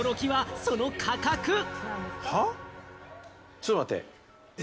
ちょっと待って！